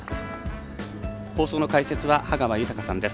放送の解説は羽川豊さんです。